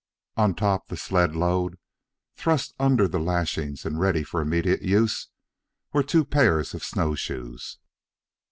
On top the sled load, thrust under the lashings and ready for immediate use, were two pairs of snowshoes.